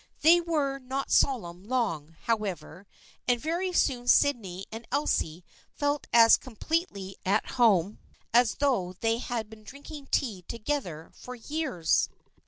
They were not solemn long, however, and very soon Sydney and Elsie felt as completely at home as though they had been drinking tea together for years.